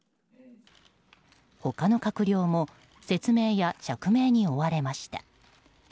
他の閣僚も説明や釈明に追われました。